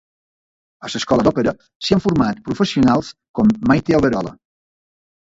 A l'Escola d'Òpera s'hi han format professionals com Maite Alberola.